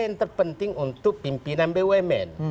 yang terpenting untuk pimpinan bumn